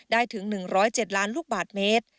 ถึง๑๐๗ล้านลูกบาทเมตร